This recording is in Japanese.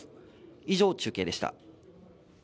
以上、中継でした。